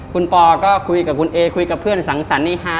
คุณปอก็คุยกับคุณเอคุยกับเพื่อนสังสรรคในฮา